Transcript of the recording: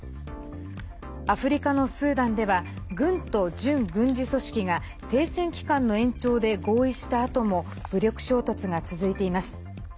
アフリカのスーダンでは軍と準軍事組織が停戦期間の延長で合意したあとも武力衝突が続いています。